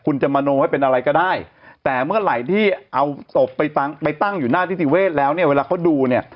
คุณจะมโนไว้เป็นอะไรก็ได้แต่เมื่อไหร่ที่เอาศพไปตั้งไปตั้งอยู่หน้านิติเวศแล้วเนี่ยเวลาเขาดูเนี่ย